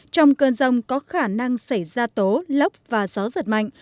trong cơn rông có khả năng xảy ra tố lốc và gió giật mạnh